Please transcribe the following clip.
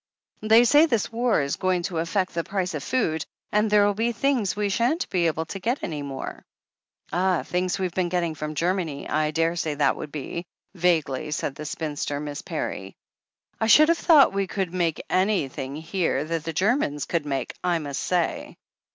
"They say this war is going to affect the price of food, and there'll be things we shan't be able to get any more/' « *Ah, things we've been getting from Germany, I daresay that would be," vaguely said the spinster. Miss Parry. "I should have thought we could make anything here that the Germans could make, I must say."